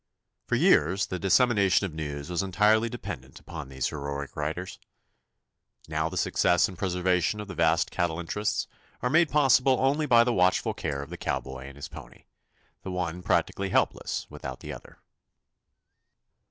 For years the dissemination of news was entirely dependent upon these heroic riders. Now the success and preservation of the vast cattle interests are made possible only by the watchful care of the cowboy and his pony the one practically helpless without the other.